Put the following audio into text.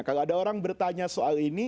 kalau ada orang bertanya soal ini